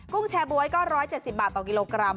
กุ้งแชบ๊วยก็๑๗๐บาทต่อกิโลกรัม